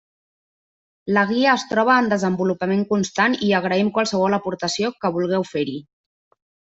La guia es troba en desenvolupament constant i agraïm qualsevol aportació que vulgueu fer-hi.